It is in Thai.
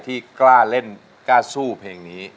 ที่กล้าเล่นกล้าสู้เพลงนี้